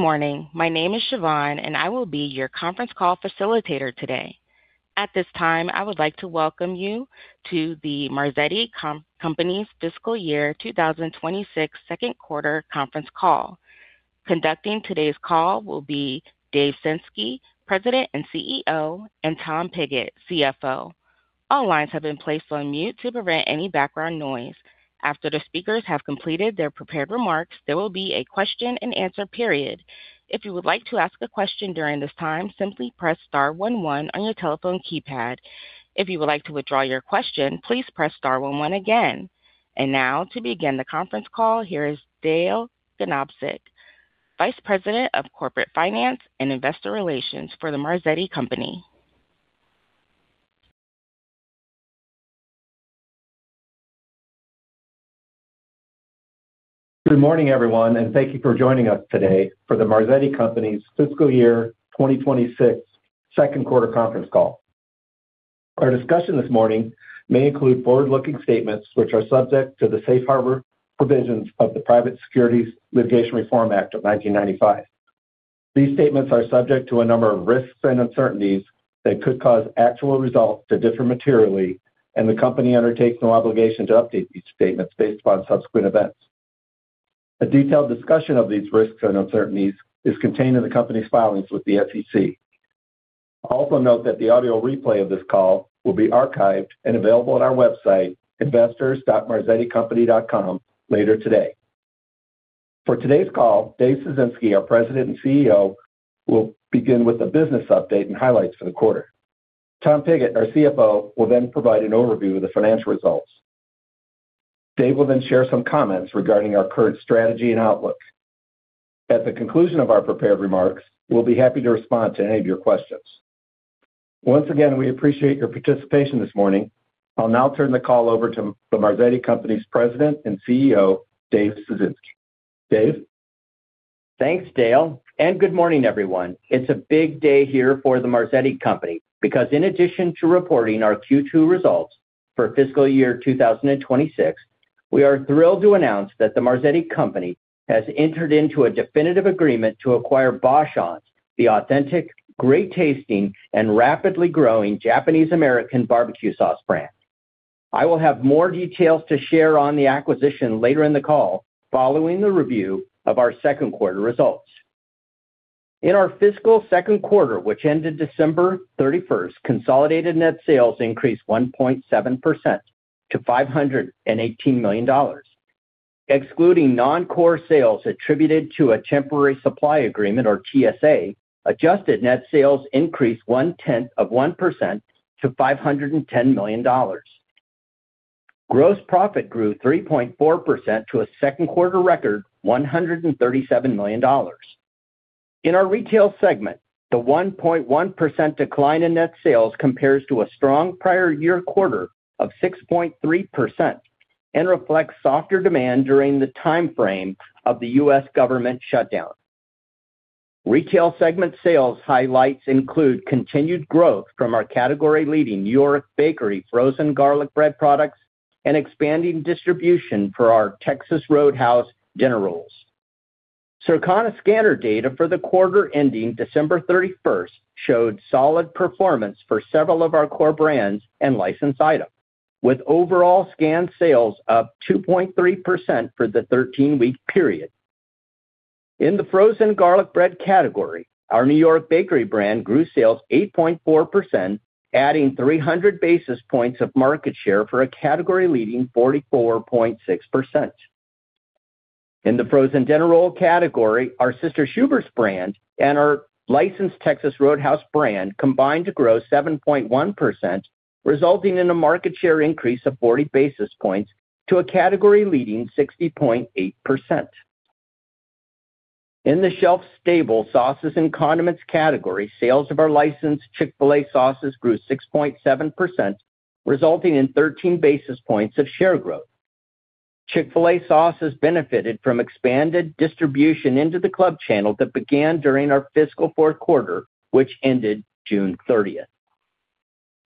Good morning. My name is Siobhan, and I will be your conference call facilitator today. At this time, I would like to welcome you to the Marzetti Company's Fiscal Year 2026 second quarter conference call. Conducting today's call will be Dave Ciesinski, President and CEO, and Tom Pigott, CFO. All lines have been placed on mute to prevent any background noise. After the speakers have completed their prepared remarks, there will be a question-and-answer period. If you would like to ask a question during this time, simply press star one one on your telephone keypad. If you would like to withdraw your question, please press star one one again. And now, to begin the conference call, here is Dale Ganobsik, Vice President of Corporate Finance and Investor Relations for The Marzetti Company. Good morning, everyone, and thank you for joining us today for The Marzetti Company's Fiscal Year 2026 second quarter conference call. Our discussion this morning may include forward-looking statements, which are subject to the safe harbor provisions of the Private Securities Litigation Reform Act of 1995. These statements are subject to a number of risks and uncertainties that could cause actual results to differ materially, and the company undertakes no obligation to update these statements based upon subsequent events. A detailed discussion of these risks and uncertainties is contained in the company's filings with the SEC. Also note that the audio replay of this call will be archived and available on our website, investors.marzetticompany.com, later today. For today's call, Dave Ciesinski, our President and CEO, will begin with a business update and highlights for the quarter. Tom Pigott, our CFO, will then provide an overview of the financial results. Dave will then share some comments regarding our current strategy and outlook. At the conclusion of our prepared remarks, we'll be happy to respond to any of your questions. Once again, we appreciate your participation this morning. I'll now turn the call over to The Marzetti Company's President and CEO, Dave Ciesinski. Dave? Thanks, Dale, and good morning, everyone. It's a big day here for The Marzetti Company because in addition to reporting our Q2 results for fiscal year 2026, we are thrilled to announce that The Marzetti Company has entered into a definitive agreement to acquire Bachan’s, the authentic, great-tasting, and rapidly growing Japanese-American barbecue sauce brand. I will have more details to share on the acquisition later in the call, following the review of our second quarter results. In our fiscal second quarter, which ended December thirty-first, consolidated net sales increased 1.7% to $518 million. Excluding non-core sales attributed to a temporary supply agreement, or TSA, adjusted net sales increased 0.1% to $510 million. Gross profit grew 3.4% to a second quarter record, $137 million. In our retail segment, the 1.1% decline in net sales compares to a strong prior year quarter of 6.3% and reflects softer demand during the timeframe of the U.S. government shutdown. Retail segment sales highlights include continued growth from our category-leading New York Bakery frozen garlic bread products and expanding distribution for our Texas Roadhouse dinner rolls. Circana scanner data for the quarter ending December 31 showed solid performance for several of our core brands and licensed items, with overall scanned sales up 2.3% for the 13-week period. In the frozen garlic bread category, our New York Bakery brand grew sales 8.4%, adding 300 basis points of market share for a category-leading 44.6%. In the frozen dinner roll category, our Sister Schubert's brand and our licensed Texas Roadhouse brand combined to grow 7.1%, resulting in a market share increase of 40 basis points to a category-leading 60.8%. In the shelf stable sauces and condiments category, sales of our licensed Chick-fil-A sauces grew 6.7%, resulting in 13 basis points of share growth. Chick-fil-A sauce has benefited from expanded distribution into the club channel that began during our fiscal fourth quarter, which ended June thirtieth.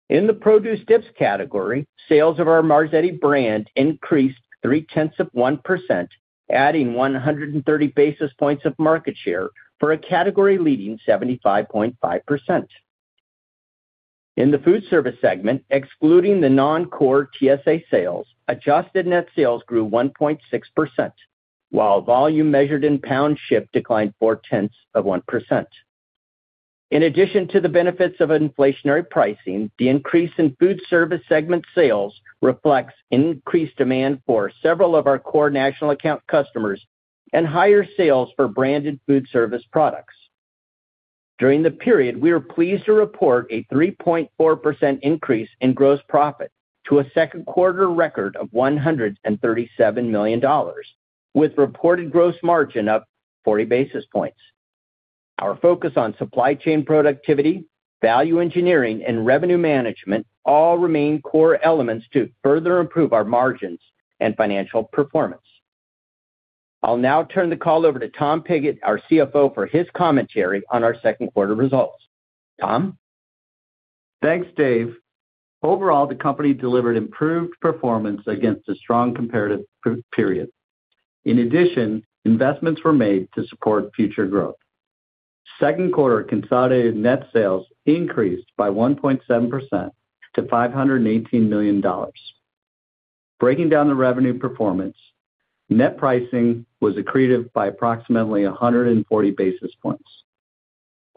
In the produce dips category, sales of our Marzetti brand increased 0.3%, adding 130 basis points of market share for a category-leading 75.5%. In the food service segment, excluding the non-core TSA sales, adjusted net sales grew 1.6%, while volume measured in pound ship declined 0.4%. In addition to the benefits of inflationary pricing, the increase in food service segment sales reflects increased demand for several of our core national account customers and higher sales for branded food service products. During the period, we are pleased to report a 3.4% increase in gross profit to a second quarter record of $137 million, with reported gross margin up 40 basis points. Our focus on supply chain productivity, value engineering, and revenue management all remain core elements to further improve our margins and financial performance. I'll now turn the call over to Tom Pigott, our CFO, for his commentary on our second quarter results. Tom?... Thanks, Dave. Overall, the company delivered improved performance against a strong comparative period. In addition, investments were made to support future growth. Second quarter consolidated net sales increased by 1.7% million to $518 million. Breaking down the revenue performance, net pricing was accretive by approximately 140 basis points.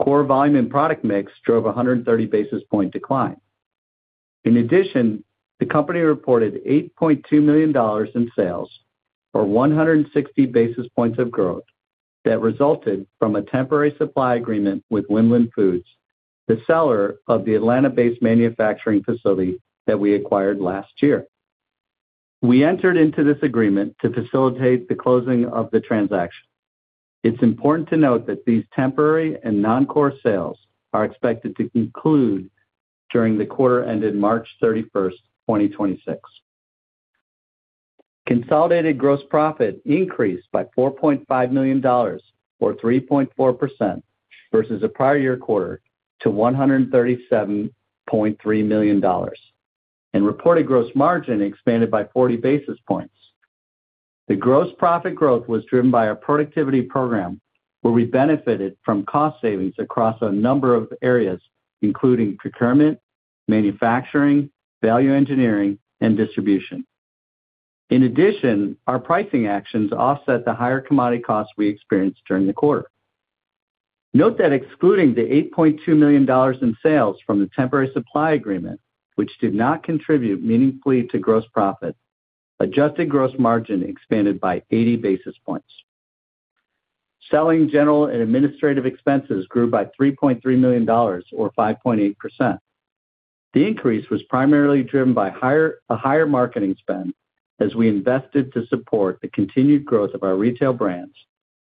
Core volume and product mix drove a 130 basis point decline. In addition, the company reported $8.2 million in sales, or 160 basis points of growth, that resulted from a temporary supply agreement with Winland Foods, the seller of the Atlanta-based manufacturing facility that we acquired last year. We entered into this agreement to facilitate the closing of the transaction. It's important to note that these temporary and non-core sales are expected to conclude during the quarter ended March 31, 2026. Consolidated gross profit increased by $4.5 million, or 3.4%, versus the prior year quarter to $137.3 million, and reported gross margin expanded by 40 basis points. The gross profit growth was driven by our productivity program, where we benefited from cost savings across a number of areas, including procurement, manufacturing, value engineering, and distribution. In addition, our pricing actions offset the higher commodity costs we experienced during the quarter. Note that excluding the $8.2 million in sales from the temporary supply agreement, which did not contribute meaningfully to gross profit, adjusted gross margin expanded by 80 basis points. Selling, general, and administrative expenses grew by $3.3 million, or 5.8%. The increase was primarily driven by a higher marketing spend as we invested to support the continued growth of our retail brands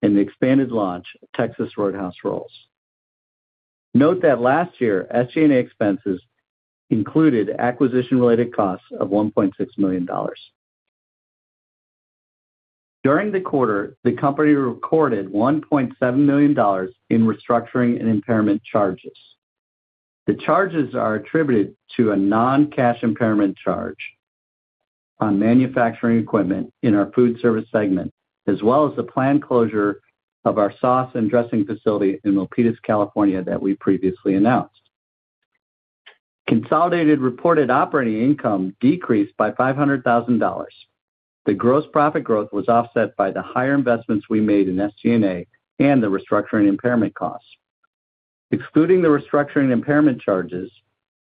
and the expanded launch of Texas Roadhouse Rolls. Note that last year, SG&A expenses included acquisition-related costs of $1.6 million. During the quarter, the company recorded $1.7 million in restructuring and impairment charges. The charges are attributed to a non-cash impairment charge on manufacturing equipment in our food service segment, as well as the planned closure of our sauce and dressing facility in Milpitas, California, that we previously announced. Consolidated reported operating income decreased by $500,000. The gross profit growth was offset by the higher investments we made in SG&A and the restructuring impairment costs. Excluding the restructuring impairment charges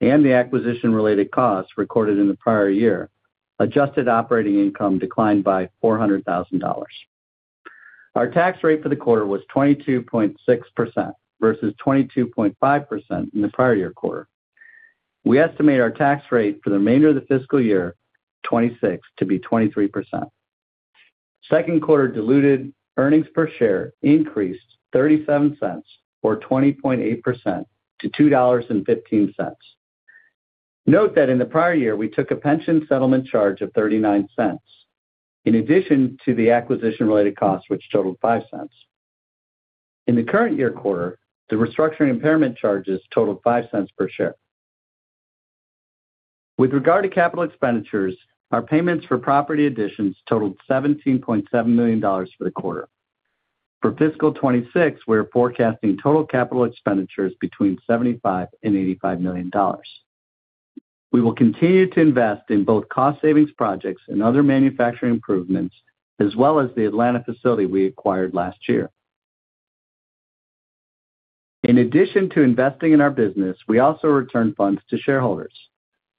and the acquisition-related costs recorded in the prior year, adjusted operating income declined by $400,000. Our tax rate for the quarter was 22.6% versus 22.5% in the prior year quarter. We estimate our tax rate for the remainder of the fiscal year 2026 to be 23%. Second quarter diluted earnings per share increased $0.37 or 20.8% to $2.15. Note that in the prior year, we took a pension settlement charge of $0.39. In addition to the acquisition-related costs, which totaled $0.05. In the current year quarter, the restructuring impairment charges totaled $0.05 per share. With regard to capital expenditures, our payments for property additions totaled $17.7 million for the quarter. For fiscal 2026, we are forecasting total capital expenditures between $75 million and $85 million. We will continue to invest in both cost savings projects and other manufacturing improvements, as well as the Atlanta facility we acquired last year. In addition to investing in our business, we also returned funds to shareholders.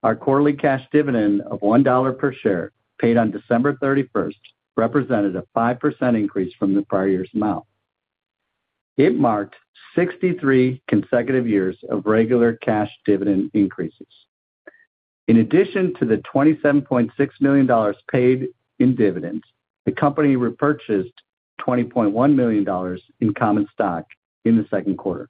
Our quarterly cash dividend of $1 per share, paid on December thirty-first, represented a 5% increase from the prior year's amount. It marked 63 consecutive years of regular cash dividend increases. In addition to the $27.6 million paid in dividends, the company repurchased $20.1 million in common stock in the second quarter.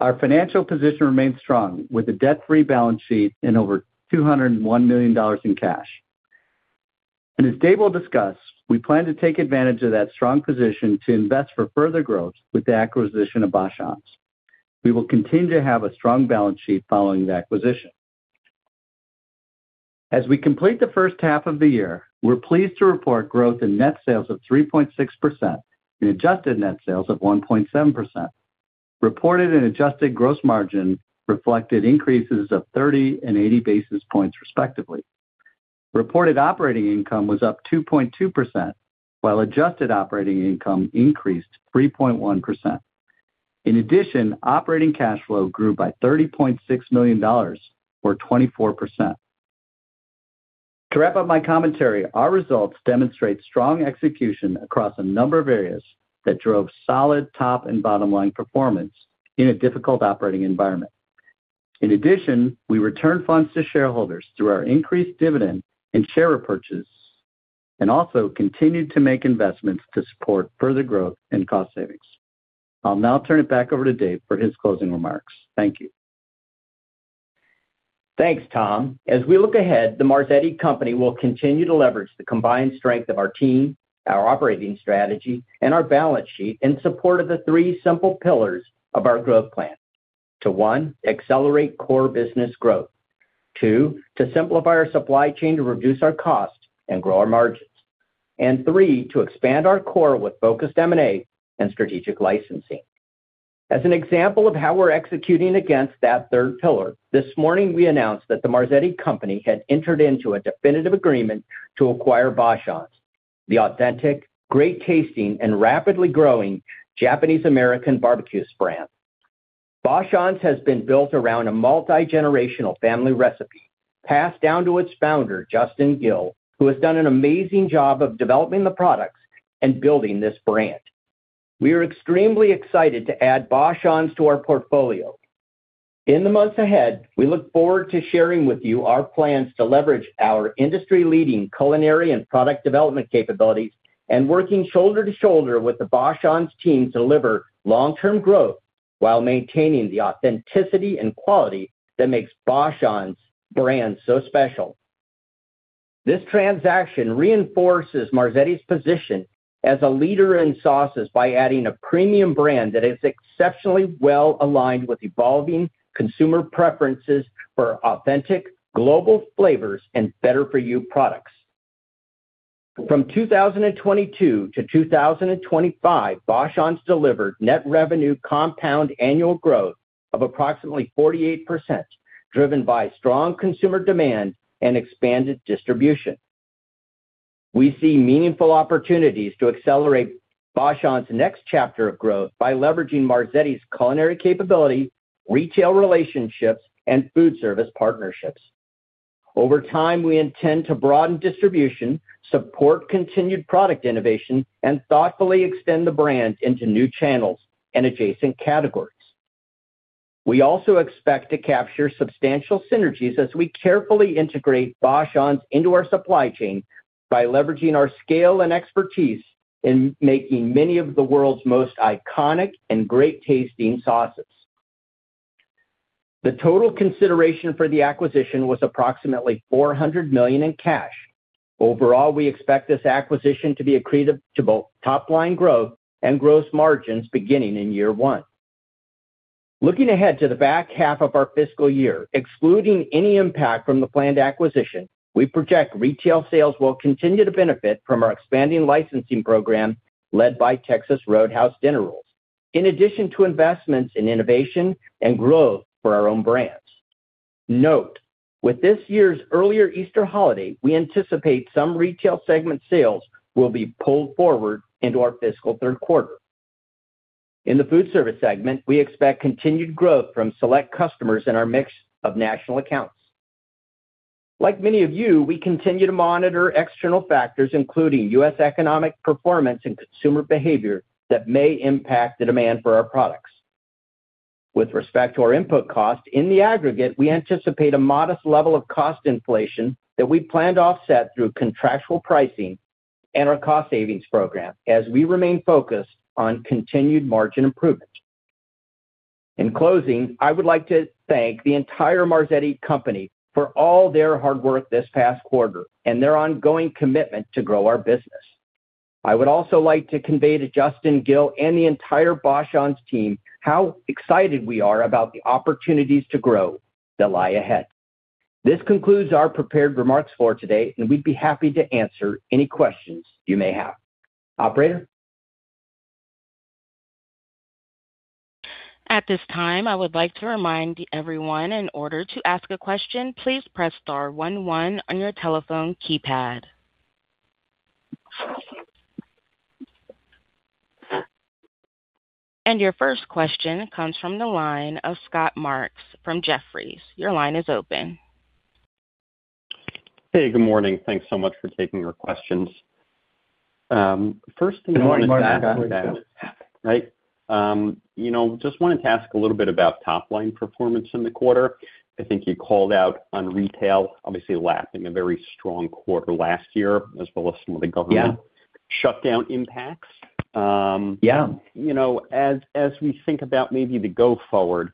Our financial position remains strong, with a debt-free balance sheet and over $201 million in cash. As Dave will discuss, we plan to take advantage of that strong position to invest for further growth with the acquisition of Bachan’s. We will continue to have a strong balance sheet following the acquisition. As we complete the first half of the year, we're pleased to report growth in net sales of 3.6% and adjusted net sales of 1.7%. Reported and adjusted gross margin reflected increases of 30 and 80 basis points, respectively. Reported operating income was up 2.2%, while adjusted operating income increased 3.1%. In addition, operating cash flow grew by $30.6 million, or 24%. To wrap up my commentary, our results demonstrate strong execution across a number of areas that drove solid top and bottom line performance in a difficult operating environment. In addition, we returned funds to shareholders through our increased dividend and share repurchases, and also continued to make investments to support further growth and cost savings. I'll now turn it back over to Dave for his closing remarks. Thank you. Thanks, Tom. As we look ahead, The Marzetti Company will continue to leverage the combined strength of our team, our operating strategy, and our balance sheet in support of the three simple pillars of our growth plan. To one, accelerate core business growth. Two, to simplify our supply chain, to reduce our costs and grow our margins. And three, to expand our core with focused M&A and strategic licensing. As an example of how we're executing against that third pillar, this morning, we announced that The Marzetti Company had entered into a definitive agreement to acquire Bachan’s, the authentic, great tasting, and rapidly growing Japanese barbecue sauce brand. Bachan’s has been built around a multi-generational family recipe, passed down to its founder, Justin Gill, who has done an amazing job of developing the products and building this brand. We are extremely excited to add Bachan’s to our portfolio. In the months ahead, we look forward to sharing with you our plans to leverage our industry-leading culinary and product development capabilities, and working shoulder to shoulder with the Bachan’s team to deliver long-term growth while maintaining the authenticity and quality that makes Bachan’s brand so special. This transaction reinforces Marzetti's position as a leader in sauces by adding a premium brand that is exceptionally well aligned with evolving consumer preferences for authentic, global flavors, and better for you products. From 2022 to 2025, Bachan’s delivered net revenue compound annual growth of approximately 48%, driven by strong consumer demand and expanded distribution. We see meaningful opportunities to accelerate Bachan’s next chapter of growth by leveraging Marzetti's culinary capability, retail relationships, and food service partnerships. Over time, we intend to broaden distribution, support continued product innovation, and thoughtfully extend the brand into new channels and adjacent categories. We also expect to capture substantial synergies as we carefully integrate Bachan’s into our supply chain by leveraging our scale and expertise in making many of the world's most iconic and great-tasting sauces. The total consideration for the acquisition was approximately $400 million in cash. Overall, we expect this acquisition to be accretive to both top line growth and gross margins beginning in year one. Looking ahead to the back half of our fiscal year, excluding any impact from the planned acquisition, we project retail sales will continue to benefit from our expanding licensing program, led by Texas Roadhouse dinner rolls, in addition to investments in innovation and growth for our own brands. Note, with this year's earlier Easter holiday, we anticipate some retail segment sales will be pulled forward into our fiscal third quarter. In the food service segment, we expect continued growth from select customers in our mix of national accounts. Like many of you, we continue to monitor external factors, including U.S. economic performance and consumer behavior, that may impact the demand for our products. With respect to our input cost, in the aggregate, we anticipate a modest level of cost inflation that we planned to offset through contractual pricing and our cost savings program as we remain focused on continued margin improvement. In closing, I would like to thank the entire Marzetti Company for all their hard work this past quarter and their ongoing commitment to grow our business. I would also like to convey to Justin Gill and the entire Bachan’s team how excited we are about the opportunities to grow that lie ahead. This concludes our prepared remarks for today, and we'd be happy to answer any questions you may have. Operator? At this time, I would like to remind everyone in order to ask a question, please press star one one on your telephone keypad. Your first question comes from the line of Scott Mushkin from Jefferies. Your line is open. Hey, good morning. Thanks so much for taking our questions. First thing- Good morning, Scott. Right. You know, just wanted to ask a little bit about top-line performance in the quarter. I think you called out on retail, obviously, lapping a very strong quarter last year, as well as some of the government- Yeah. Shutdown impacts. Yeah. You know, as we think about maybe the go forward,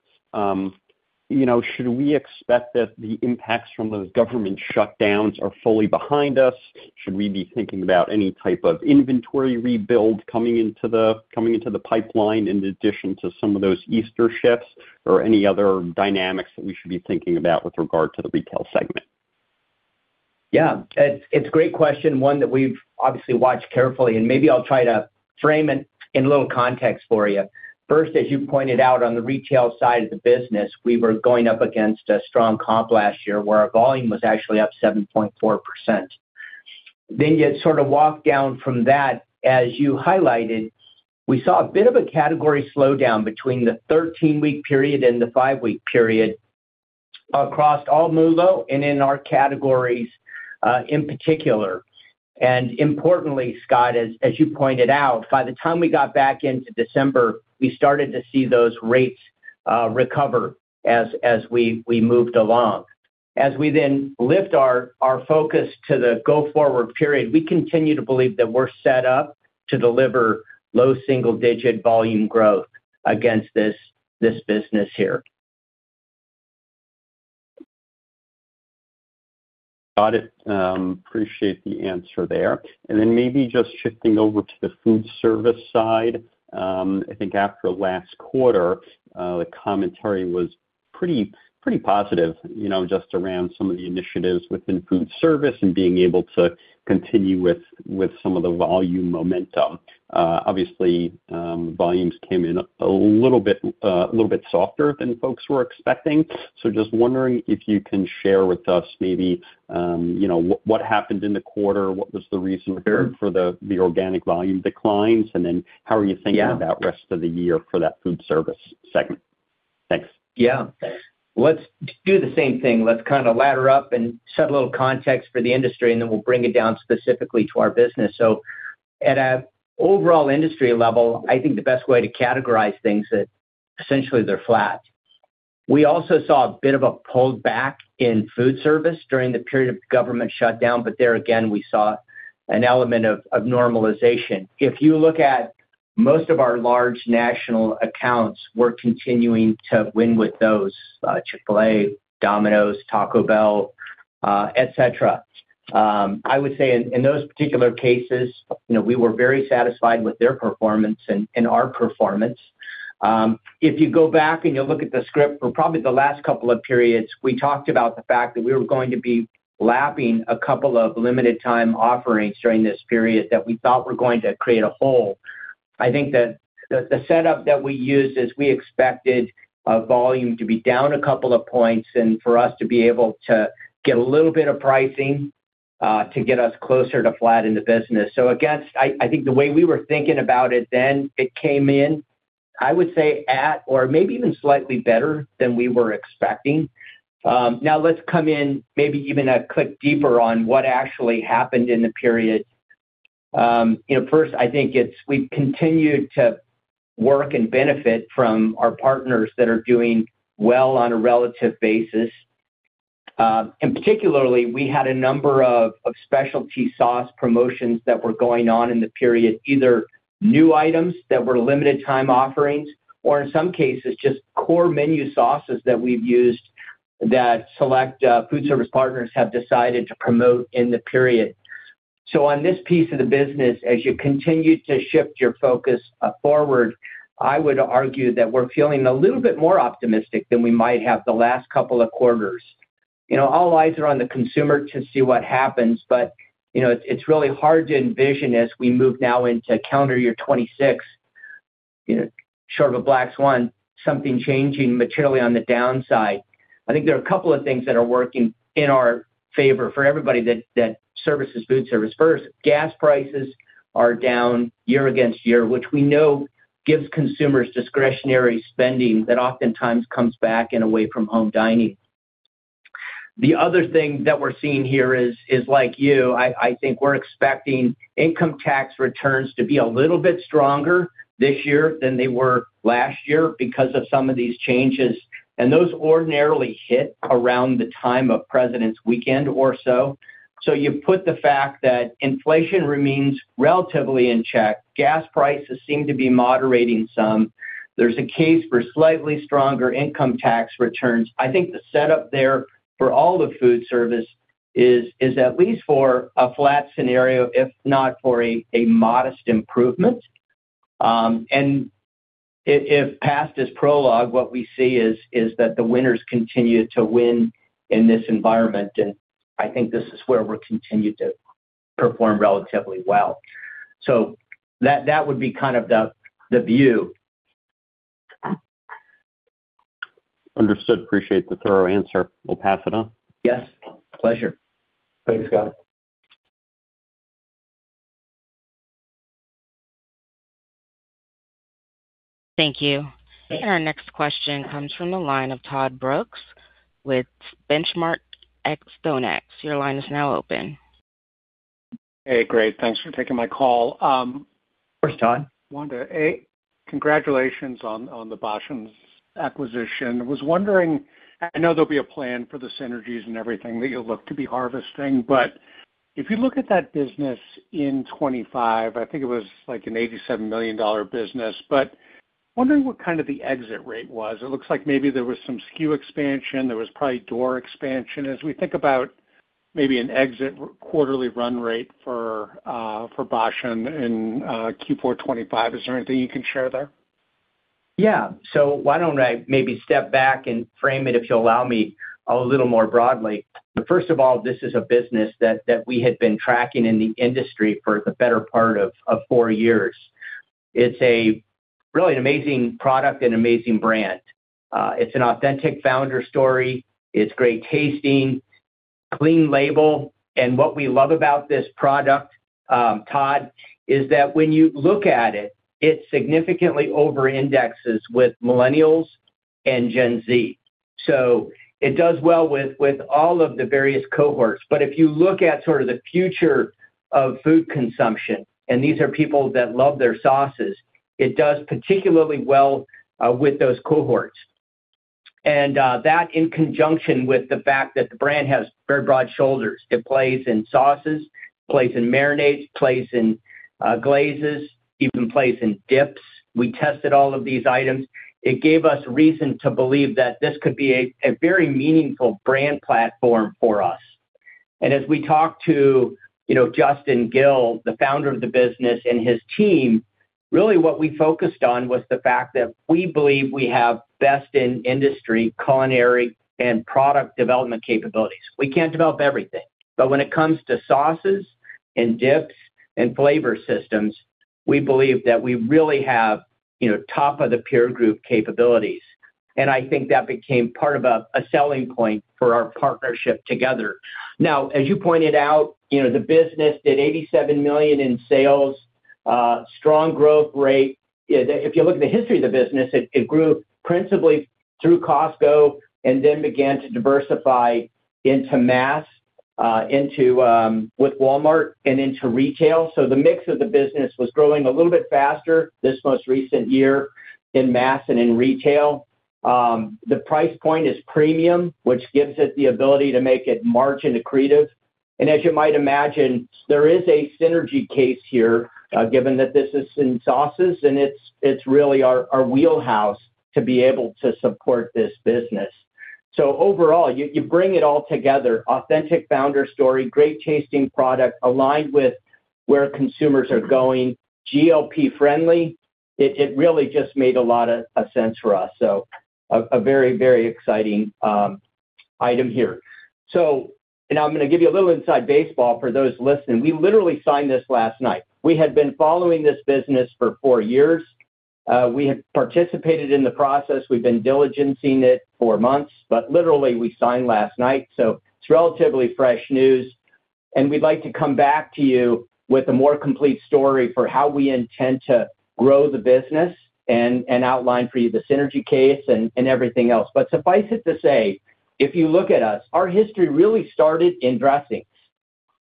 you know, should we expect that the impacts from those government shutdowns are fully behind us? Should we be thinking about any type of inventory rebuild coming into the pipeline in addition to some of those Easter shifts, or any other dynamics that we should be thinking about with regard to the retail segment? Yeah, it's a great question, one that we've obviously watched carefully, and maybe I'll try to frame it in a little context for you. First, as you pointed out on the retail side of the business, we were going up against a strong comp last year where our volume was actually up 7.4%. Then you sort of walked down from that. As you highlighted, we saw a bit of a category slowdown between the 13-week period and the 5-week period across all MULO and in our categories in particular. And importantly, Scott, as you pointed out, by the time we got back into December, we started to see those rates recover as we moved along. As we then lift our focus to the go-forward period, we continue to believe that we're set up. To deliver low single-digit volume growth against this, this business here. Got it. Appreciate the answer there. And then maybe just shifting over to the food service side. I think after last quarter, the commentary was pretty, pretty positive, you know, just around some of the initiatives within food service and being able to continue with, with some of the volume momentum. Obviously, volumes came in a little bit, a little bit softer than folks were expecting. So just wondering if you can share with us maybe, you know, what, what happened in the quarter? What was the reason for the, the organic volume declines, and then how are you thinking about rest of the year for that food service segment? Thanks. Yeah. Let's do the same thing. Let's kind of ladder up and set a little context for the industry, and then we'll bring it down specifically to our business. So at a overall industry level, I think the best way to categorize things that essentially they're flat. We also saw a bit of a pull back in food service during the period of government shutdown, but there again, we saw an element of normalization. If you look at most of our large national accounts, we're continuing to win with those, Chick-fil-A, Domino’s, Taco Bell, et cetera. I would say in those particular cases, you know, we were very satisfied with their performance and our performance. If you go back and you look at the script for probably the last couple of periods, we talked about the fact that we were going to be lapping a couple of limited time offerings during this period that we thought were going to create a hole. I think that the setup that we used is we expected volume to be down a couple of points and for us to be able to get a little bit of pricing to get us closer to flat in the business. So again, I think the way we were thinking about it then, it came in, I would say, at or maybe even slightly better than we were expecting. Now let's come in maybe even a click deeper on what actually happened in the period. You know, first, I think it's we've continued to work and benefit from our partners that are doing well on a relative basis. And particularly, we had a number of specialty sauce promotions that were going on in the period, either new items that were limited time offerings, or in some cases, just core menu sauces that we've used that select food service partners have decided to promote in the period. So on this piece of the business, as you continue to shift your focus forward, I would argue that we're feeling a little bit more optimistic than we might have the last couple of quarters. You know, all eyes are on the consumer to see what happens, but, you know, it's really hard to envision as we move now into calendar year 2026, you know, short of a black swan, something changing materially on the downside. I think there are a couple of things that are working in our favor for everybody that services food service. First, gas prices are down year-over-year, which we know gives consumers discretionary spending that oftentimes comes back in away-from-home dining. The other thing that we're seeing here is, like you, I think we're expecting income tax returns to be a little bit stronger this year than they were last year because of some of these changes, and those ordinarily hit around the time of Presidents' Weekend or so. So you put the fact that inflation remains relatively in check, gas prices seem to be moderating some. There's a case for slightly stronger income tax returns. I think the setup there for all of food service is at least for a flat scenario, if not for a modest improvement. And if past is prologue, what we see is that the winners continue to win in this environment, and I think this is where we'll continue to perform relatively well. So that would be kind of the view. Understood. Appreciate the thorough answer. We'll pass it on. Yes, pleasure. Thanks, Scott. Thank you. Our next question comes from the line of Todd Brooks with The Benchmark Company. Your line is now open. Hey, great. Thanks for taking my call. Of course, Todd. Wanda, A, congratulations on, on the Bachan’s acquisition. I was wondering... I know there'll be a plan for the synergies and everything that you'll look to be harvesting, but if you look at that business in 2025, I think it was like an $87 million business, but wondering what kind of the exit rate was. It looks like maybe there was some SKU expansion, there was probably door expansion. As we think about maybe an exit quarterly run rate for, for Bachan’s in, Q4 2025, is there anything you can share there? Yeah. So why don't I maybe step back and frame it, if you'll allow me, a little more broadly. But first of all, this is a business that we had been tracking in the industry for the better part of four years. It's really an amazing product and amazing brand. It's an authentic founder story. It's great tasting, clean label, and what we love about this product, Todd, is that when you look at it, it significantly over indexes with millennials and Gen Z. So it does well with all of the various cohorts. But if you look at sort of the future of food consumption, and these are people that love their sauces, it does particularly well with those cohorts. And that in conjunction with the fact that the brand has very broad shoulders. It plays in sauces, it plays in marinades, plays in, glazes, even plays in dips. We tested all of these items. It gave us reason to believe that this could be a, a very meaningful brand platform for us. And as we talked to, you know, Justin Gill, the founder of the business, and his team, really what we focused on was the fact that we believe we have best in industry, culinary, and product development capabilities. We can't develop everything, but when it comes to sauces and dips and flavor systems, we believe that we really have, you know, top-of-the-peer group capabilities. And I think that became part of a, a selling point for our partnership together. Now, as you pointed out, you know, the business did $87 million in sales, strong growth rate. If you look at the history of the business, it grew principally through Costco, and then began to diversify into mass, into, with Walmart and into retail. So the mix of the business was growing a little bit faster this most recent year in mass and in retail. The price point is premium, which gives it the ability to make it margin accretive. And as you might imagine, there is a synergy case here, given that this is in sauces, and it's really our wheelhouse to be able to support this business. So overall, you bring it all together, authentic founder story, great tasting product, aligned with where consumers are going, GLP friendly. It really just made a lot of sense for us. So a very, very exciting item here. So now I'm gonna give you a little inside baseball for those listening. We literally signed this last night. We had been following this business for four years. We have participated in the process. We've been diligencing it for months, but literally, we signed last night, so it's relatively fresh news, and we'd like to come back to you with a more complete story for how we intend to grow the business and, and outline for you the synergy case and, and everything else. But suffice it to say, if you look at us, our history really started in dressings,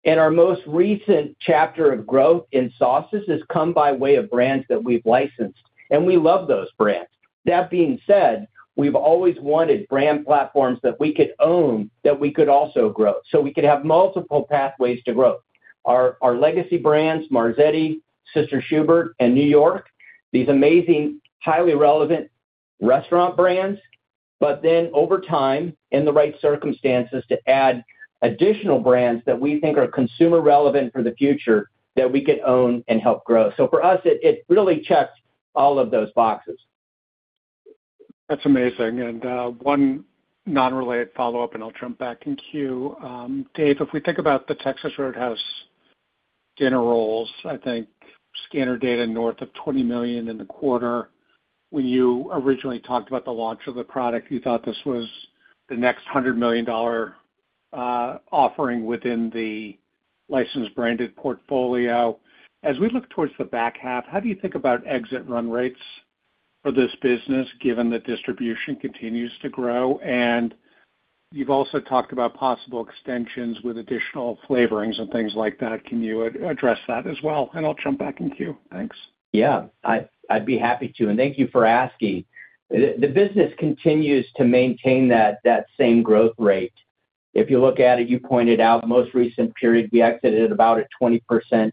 and our most recent chapter of growth in sauces has come by way of brands that we've licensed, and we love those brands. That being said, we've always wanted brand platforms that we could own, that we could also grow, so we could have multiple pathways to growth. Our legacy brands, Marzetti, Sister Schubert’s, and New York Bakery, these amazing, highly relevant restaurant brands, but then over time, in the right circumstances, to add additional brands that we think are consumer relevant for the future, that we could own and help grow. So for us, it really checks all of those boxes. That's amazing. And, one non-related follow-up, and I'll jump back in queue. Dave, if we think about the Texas Roadhouse dinner rolls, I think scanner data north of $20 million in the quarter. When you originally talked about the launch of the product, you thought this was the next $100 million offering within the licensed branded portfolio. As we look towards the back half, how do you think about exit run rates for this business, given that distribution continues to grow? And you've also talked about possible extensions with additional flavorings and things like that. Can you address that as well? And I'll jump back in queue. Thanks. Yeah. I'd be happy to, and thank you for asking. The business continues to maintain that same growth rate. If you look at it, you pointed out, most recent period, we exited at about a $20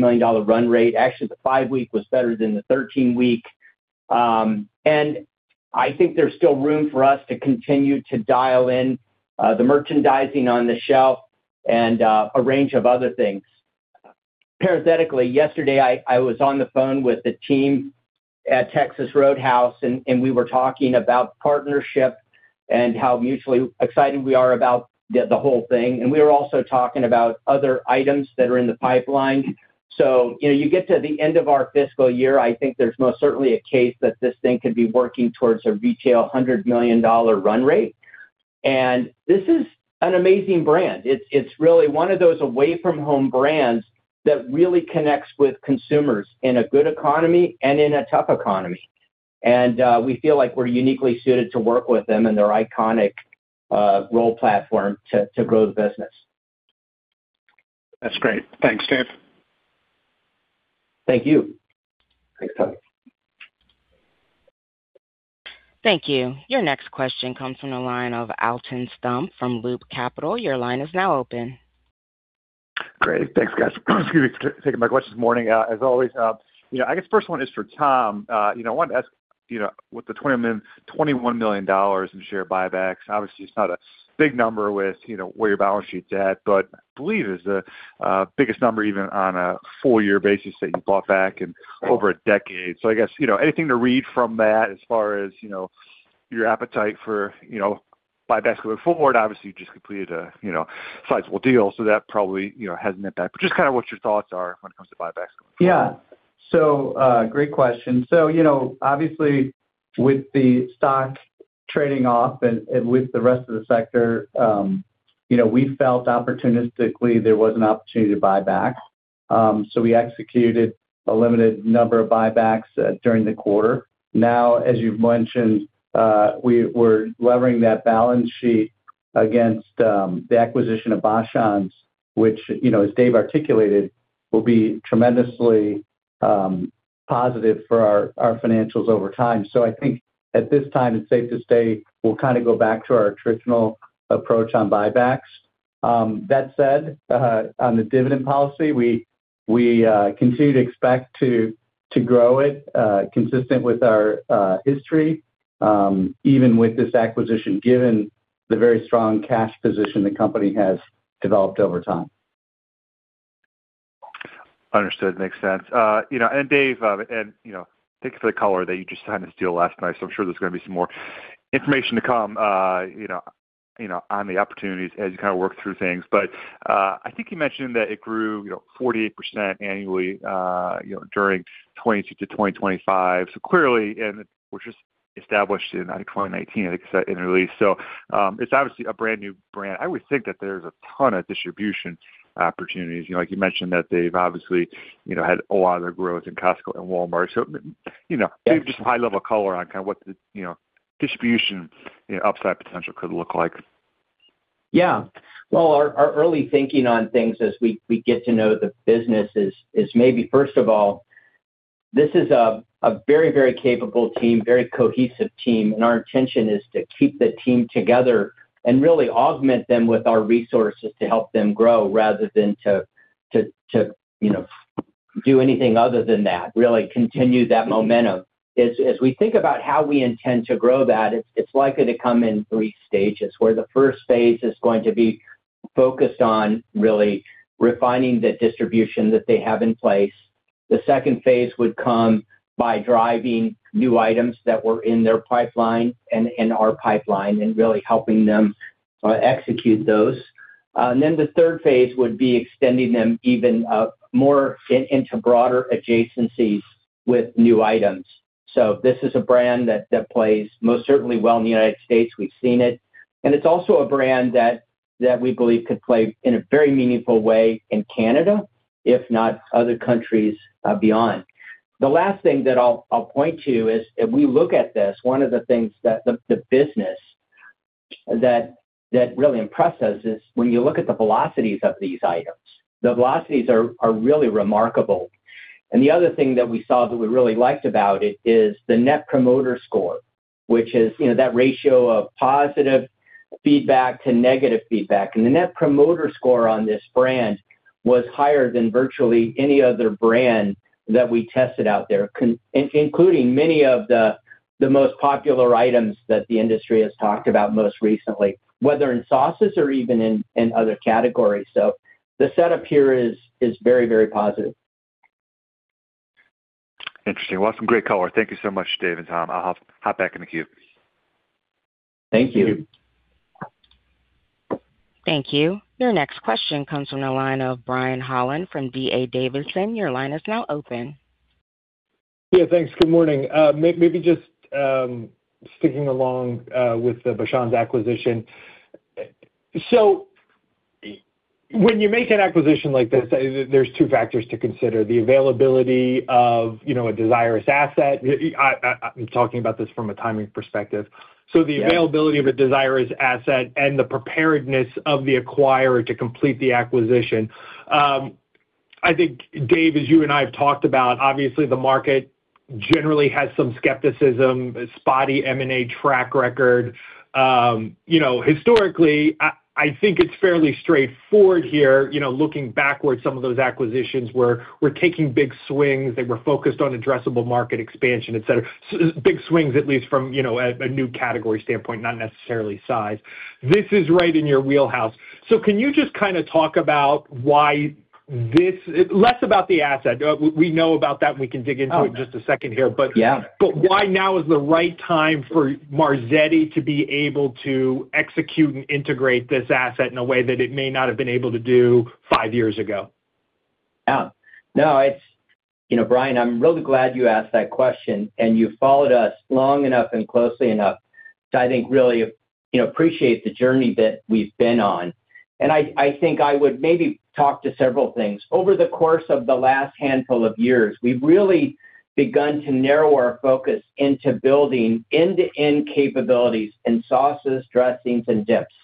million run rate. Actually, the five week was better than the 13-week. And I think there's still room for us to continue to dial in the merchandising on the shelf and a range of other things. Parenthetically, yesterday, I was on the phone with the team at Texas Roadhouse, and we were talking about partnership and how mutually excited we are about the whole thing. And we were also talking about other items that are in the pipeline. So, you know, you get to the end of our fiscal year, I think there's most certainly a case that this thing could be working towards a retail $100 million run rate. And this is an amazing brand. It's, it's really one of those away-from-home brands that really connects with consumers in a good economy and in a tough economy. And, we feel like we're uniquely suited to work with them and their iconic, roll platform to, to grow the business. That's great. Thanks, Dave. Thank you. Thanks, Tom. Thank you. Your next question comes from the line of Alton Stump from Loop Capital. Your line is now open. Great. Thanks, guys. Excuse me for taking my questions this morning. As always, you know, I guess first one is for Tom. You know, I wanted to ask, you know, with the $21 million in share buybacks, obviously, it's not a big number with, you know, where your balance sheet's at, but I believe it's the, uh, biggest number, even on a full year basis, that you bought back in over a decade. So I guess, you know, anything to read from that as far as, you know, your appetite for, you know, buybacks going forward? Obviously, you just completed a, you know, sizable deal, so that probably, you know, has an impact. But just kind of what your thoughts are when it comes to buybacks. Yeah. So, great question. So, you know, obviously, with the stock trading off and with the rest of the sector, you know, we felt opportunistically there was an opportunity to buy back. So we executed a limited number of buybacks during the quarter. Now, as you've mentioned, we're levering that balance sheet. Against the acquisition of Bachan's, which, you know, as Dave articulated, will be tremendously positive for our financials over time. So I think at this time, it's safe to say we'll kind of go back to our traditional approach on buybacks. That said, on the dividend policy, we continue to expect to grow it consistent with our history, even with this acquisition, given the very strong cash position the company has developed over time. Understood. Makes sense. You know, and Dave, and, you know, thanks for the color that you just signed this deal last night, so I'm sure there's gonna be some more information to come, you know, you know, on the opportunities as you kind of work through things. But, I think you mentioned that it grew, you know, 48% annually, you know, during 2022 to 2025, so clearly, and it was just established in, 2019, I think I said in release. So, it's obviously a brand-new brand. I would think that there's a ton of distribution opportunities. You know, like you mentioned, that they've obviously, you know, had a lot of their growth in Costco and Walmart. So, you know- Yes. Just high level color on kind of what the, you know, distribution, you know, upside potential could look like. Yeah. Well, our early thinking on things as we get to know the business is maybe, first of all, this is a very capable team, very cohesive team, and our intention is to keep the team together and really augment them with our resources to help them grow, rather than to you know do anything other than that, really continue that momentum. As we think about how we intend to grow that, it's likely to come in three stages, where the first phase is going to be focused on really refining the distribution that they have in place. The second phase would come by driving new items that were in their pipeline and in our pipeline, and really helping them execute those. And then the third phase would be extending them even more into broader adjacencies with new items. So this is a brand that plays most certainly well in the United States. We've seen it. And it's also a brand that we believe could play in a very meaningful way in Canada, if not other countries, beyond. The last thing that I'll point to is, if we look at this, one of the things that the business that really impressed us is when you look at the velocities of these items, the velocities are really remarkable. And the other thing that we saw that we really liked about it is the Net Promoter Score, which is, you know, that ratio of positive feedback to negative feedback. The Net Promoter Score on this brand was higher than virtually any other brand that we tested out there, including many of the most popular items that the industry has talked about most recently, whether in sauces or even in other categories. The setup here is very, very positive. Interesting. Well, some great color. Thank you so much, Dave and Tom. I'll hop, hop back in the queue. Thank you. Thank you. Thank you. Your next question comes from the line of Brian Holland from D.A. Davidson. Your line is now open. Yeah, thanks. Good morning. Maybe just sticking along with the Bachan’s acquisition. So when you make an acquisition like this, there's two factors to consider: the availability of, you know, a desirous asset. I'm talking about this from a timing perspective. Yeah. So the availability of a desirous asset and the preparedness of the acquirer to complete the acquisition. I think, Dave, as you and I have talked about, obviously, the market generally has some skepticism, a spotty M&A track record. You know, historically, I think it's fairly straightforward here. You know, looking backwards, some of those acquisitions were taking big swings. They were focused on addressable market expansion, et cetera. Big swings, at least from, you know, a new category standpoint, not necessarily size. This is right in your wheelhouse. So can you just kinda talk about why this...less about the asset. We know about that, and we can dig into- Oh. it in just a second here, but- Yeah. Why now is the right time for Marzetti to be able to execute and integrate this asset in a way that it may not have been able to do five years ago? Yeah. No, You know, Brian, I'm really glad you asked that question, and you've followed us long enough and closely enough that I think really, you know, appreciate the journey that we've been on. And I, I think I would maybe talk to several things. Over the course of the last handful of years, we've really begun to narrow our focus into building end-to-end capabilities in sauces, dressings, and dips.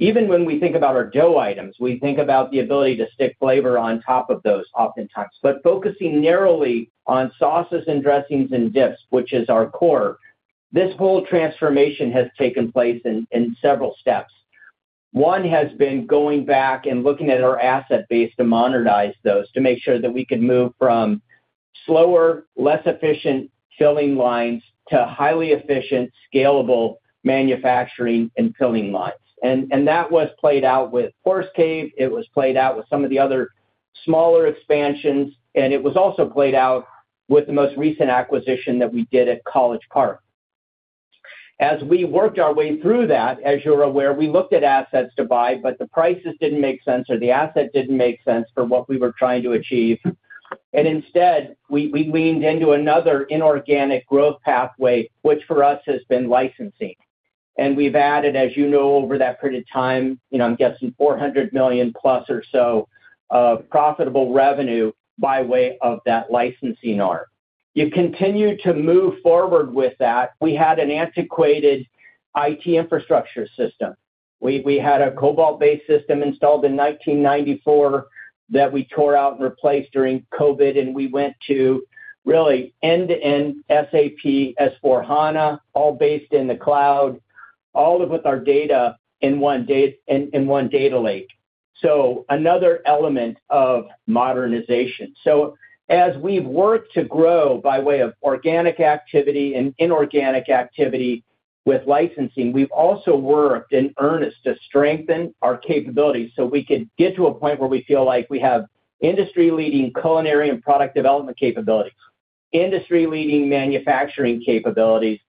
Even when we think about our dough items, we think about the ability to stick flavor on top of those oftentimes. But focusing narrowly on sauces and dressings and dips, which is our core, this whole transformation has taken place in, in several steps. One has been going back and looking at our asset base to modernize those, to make sure that we can move from slower, less efficient filling lines to highly efficient, scalable manufacturing and filling lines. That was played out with Horse Cave. It was played out with some of the other smaller expansions, and it was also played out with the most recent acquisition that we did at College Park. As we worked our way through that, as you're aware, we looked at assets to buy, but the prices didn't make sense or the asset didn't make sense for what we were trying to achieve. Instead, we leaned into another inorganic growth pathway, which for us has been licensing. We've added, as you know, over that period of time, you know, I'm guessing $400 million or so of profitable revenue by way of that licensing arm. You continue to move forward with that. We had an antiquated IT infrastructure system. We had a Cobalt-based system installed in 1994 that we tore out and replaced during COVID, and we went to really end-to-end SAP S/4HANA, all based in the cloud, all with our data in one data lake. So another element of modernization. So as we've worked to grow by way of organic activity and inorganic activity with licensing, we've also worked in earnest to strengthen our capabilities so we could get to a point where we feel like we have industry-leading culinary and product development capabilities, industry-leading manufacturing capabilities,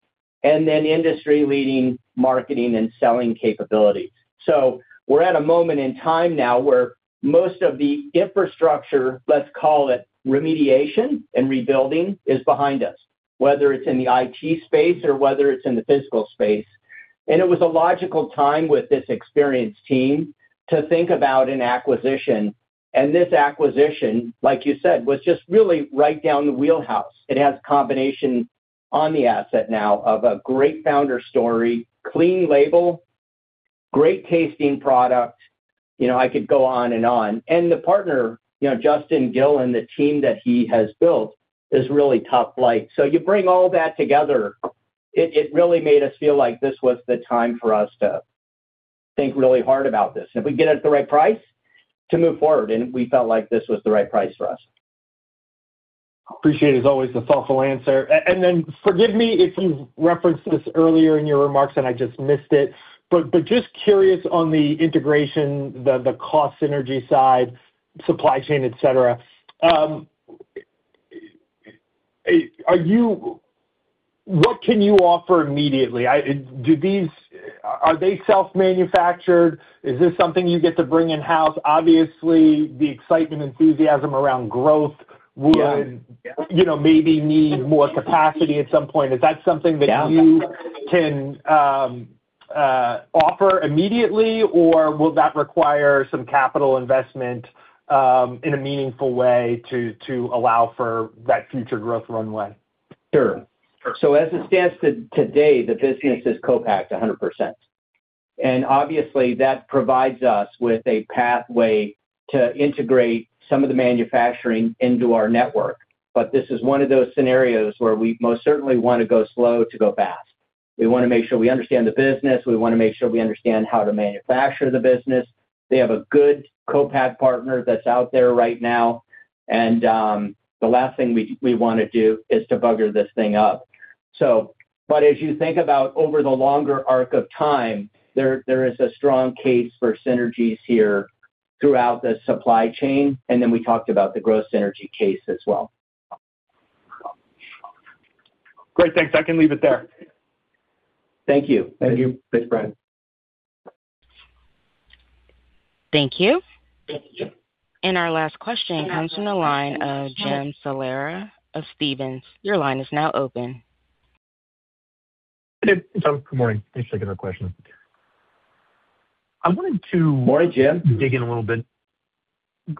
and then industry-leading marketing and selling capabilities. So we're at a moment in time now where most of the infrastructure, let's call it, remediation and rebuilding, is behind us, whether it's in the IT space or whether it's in the physical space. And it was a logical time with this experienced team to think about an acquisition. And this acquisition, like you said, was just really right down the wheelhouse. It has combination on the asset now of a great founder story, clean label, great tasting product. You know, I could go on and on. And the partner, you know, Justin Gill, and the team that he has built, is really top flight. So you bring all that together, it, it really made us feel like this was the time for us to think really hard about this. If we get it at the right price, to move forward, and we felt like this was the right price for us. Appreciate, as always, the thoughtful answer. And then forgive me if you’ve referenced this earlier in your remarks, and I just missed it, but just curious on the integration, the cost synergy side, supply chain, et cetera, are you—what can you offer immediately? Do these, are they self-manufactured? Is this something you get to bring in-house? Obviously, the excitement, enthusiasm around growth would- Yeah. -you know, maybe need more capacity at some point. Is that something that- Yeah. -you can offer immediately, or will that require some capital investment in a meaningful way to allow for that future growth runway? Sure. Sure. So as it stands today, the business is co-packed 100%. And obviously, that provides us with a pathway to integrate some of the manufacturing into our network. But this is one of those scenarios where we most certainly wanna go slow to go fast. We wanna make sure we understand the business. We wanna make sure we understand how to manufacture the business. They have a good co-pack partner that's out there right now, and the last thing we wanna do is to bugger this thing up. So but as you think about over the longer arc of time, there is a strong case for synergies here throughout the supply chain, and then we talked about the growth synergy case as well. Great. Thanks. I can leave it there. Thank you. Thank you. Thanks, Brian. Thank you. Our last question comes from the line of Jim Salera of Stephens. Your line is now open. Hey, Tom, good morning. Thanks for taking our question. I wanted to- Morning, Jim. Good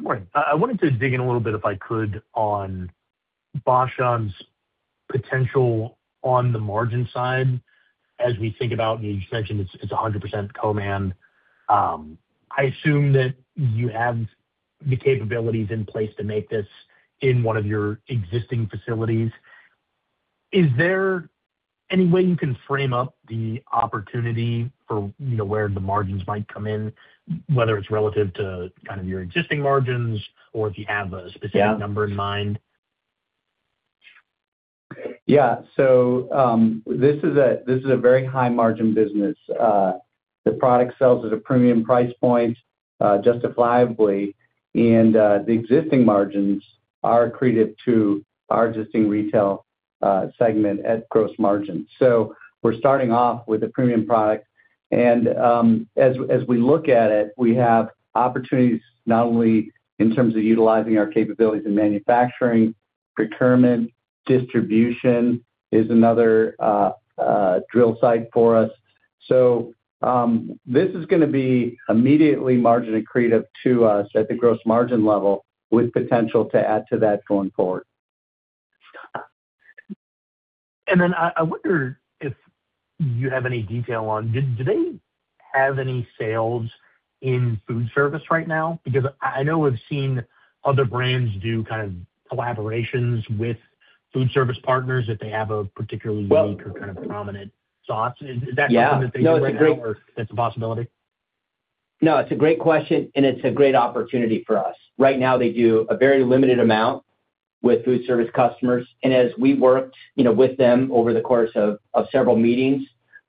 morning. I wanted to dig in a little bit, if I could, on Bachan’s potential on the margin side as we think about, you mentioned it’s 100% co-man. I assume that you have the capabilities in place to make this in one of your existing facilities. Is there any way you can frame up the opportunity for, you know, where the margins might come in, whether it’s relative to kind of your existing margins or if you have a specific- Yeah Number in mind? Yeah. So this is a very high-margin business. The product sells at a premium price point, justifiably, and the existing margins are accretive to our existing retail segment at gross margin. So we're starting off with a premium product, and as we look at it, we have opportunities, not only in terms of utilizing our capabilities in manufacturing, procurement, distribution is another drill site for us. So this is gonna be immediately margin accretive to us at the gross margin level, with potential to add to that going forward. Then I wonder if you have any detail on. Do they have any sales in food service right now? Because I know we've seen other brands do kind of collaborations with food service partners if they have a particularly unique or kind of prominent sauce. Is that something that they do right now? Yeah. No, it's a great- or that's a possibility? No, it's a great question, and it's a great opportunity for us. Right now, they do a very limited amount with food service customers, and as we worked, you know, with them over the course of several meetings,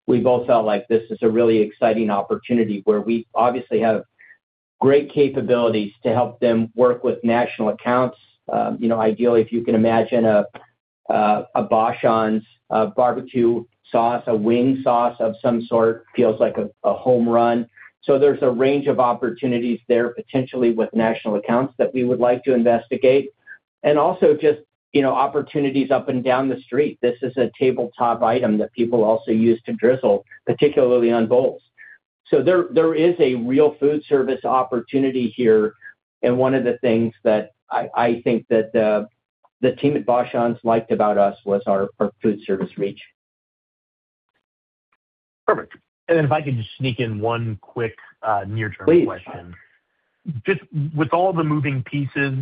we both felt like this is a really exciting opportunity where we obviously have great capabilities to help them work with national accounts. You know, ideally, if you can imagine a Bachan’s, a barbecue sauce, a wing sauce of some sort, feels like a home run. So there's a range of opportunities there, potentially with national accounts that we would like to investigate. And also just, you know, opportunities up and down the street. This is a tabletop item that people also use to drizzle, particularly on bowls. So there is a real food service opportunity here, and one of the things that I think that the team at Bachan’s liked about us was our food service reach. Perfect. And then if I could just sneak in one quick, near-term question? Please. Just with all the moving pieces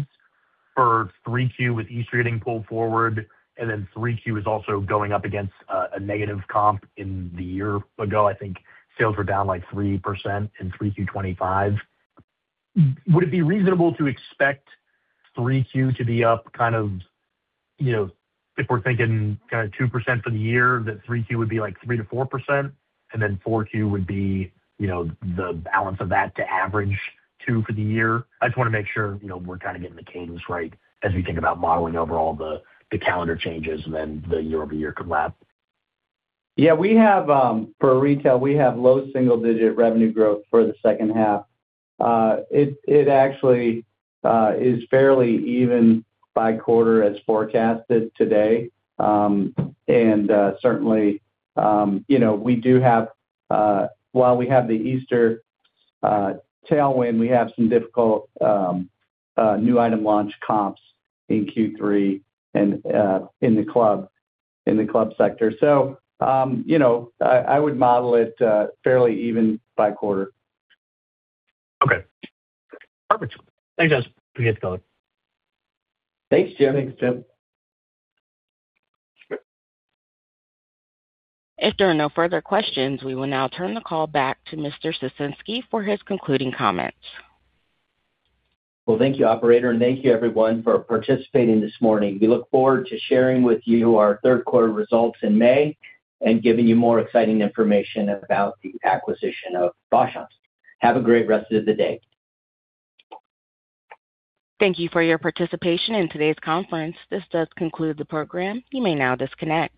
for 3Q, with Easter getting pulled forward, and then 3Q is also going up against a negative comp in the year ago, I think sales were down, like, 3% in 3Q 2025. Would it be reasonable to expect 3Q to be up kind of, you know, if we're thinking kind of 2% for the year, that 3Q would be, like, 3%-4%, and then 4Q would be, you know, the balance of that to average 2% for the year? I just wanna make sure, you know, we're kind of getting the cadence right as we think about modeling over all the calendar changes and then the year-over-year comp lap. Yeah, we have, for retail, we have low single-digit revenue growth for the second half. It actually is fairly even by quarter as forecasted today. Certainly, you know, we do have... While we have the Easter tailwind, we have some difficult new item launch comps in Q3 and in the club sector. So, you know, I would model it fairly even by quarter. Okay. Perfect. Thanks, guys. Appreciate the call. Thanks, Jim. Thanks, Jim. If there are no further questions, we will now turn the call back to Mr. Ciesinski for his concluding comments. Well, thank you, operator, and thank you everyone for participating this morning. We look forward to sharing with you our third quarter results in May and giving you more exciting information about the acquisition of Bachan’s. Have a great rest of the day. Thank you for your participation in today's conference. This does conclude the program. You may now disconnect.